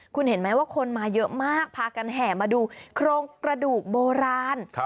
คุณเห็นไหมว่าคนมาเยอะมากพากันแห่มาดูโครงกระดูกโบราณ